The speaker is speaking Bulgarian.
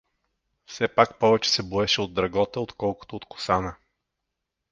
Все пак повече се боеше от Драгота, отколкото от Косана.